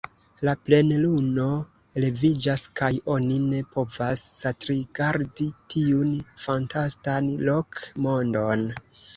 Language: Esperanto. La plenluno leviĝas, kaj oni ne povas satrigardi tiun fantastan rok-mondon.